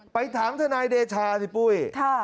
ไปถามทนายเดชาสิปุ้ย